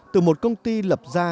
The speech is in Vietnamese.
từ một công ty lập ra